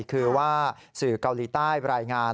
คือว่าสื่อเกาหลีใต้รายงาน